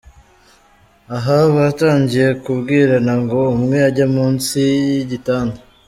Aha batangiye kubwirana ngo umwe ajye munsi y’igitanda.